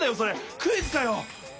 クイズかよ。